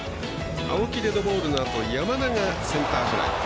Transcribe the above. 青木デッドボールのあと山田がセンターフライ。